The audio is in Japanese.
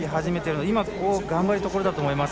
ここ、頑張りどころだと思います。